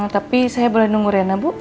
tapi saya boleh nunggu rena bu